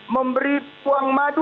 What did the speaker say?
memberi peruang madu